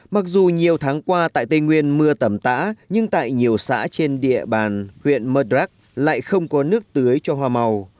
mặc dù nhiều tháng qua tại tây nguyên mưa tẩm tã nhưng tại nhiều xã trên địa bàn huyện mật rắc lại không có nước tưới cho hoa màu